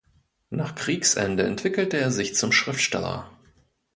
Nach Kriegsende entwickelte er sich zum Schriftsteller.